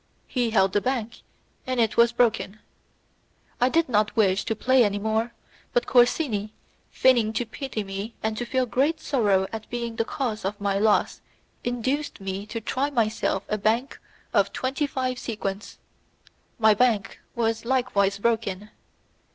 He held the bank, and it was broken. I did not wish to play any more, but Corsini, feigning to pity me and to feel great sorrow at being the cause of my loss, induced me to try myself a bank of twenty five sequins; my bank was likewise broken.